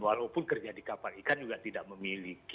walaupun kerja di kapal ikan juga tidak memiliki